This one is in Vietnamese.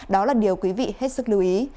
đó là điều quý vị hết sức lưu ý